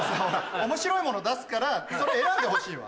面白いもの出すからそれ選んでほしいわ。